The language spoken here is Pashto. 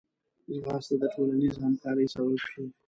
ځغاسته د ټولنیز همکارۍ سبب شي